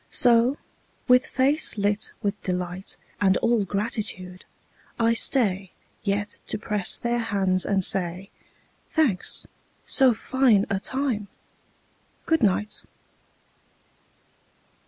So, with face lit with delight And all gratitude, I stay Yet to press their hands and say, "Thanks. So fine a time ! Good night.